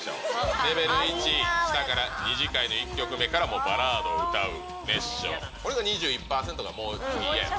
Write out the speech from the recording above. レベル１、２次会の１曲目からバラードを歌う、熱唱、これが２１％がもう嫌と。